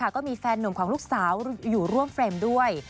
ก็มีแฟนหนุ่มของลูกสาวอยู่ร่วมเฟรมด้วย